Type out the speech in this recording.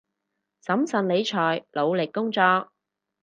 審慎理財，努力工作